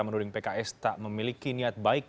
menuding pks tak memiliki niat baik